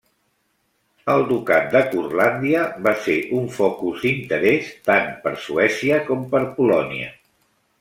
El Ducat de Curlàndia va ser un focus d'interès tant per Suècia com per Polònia.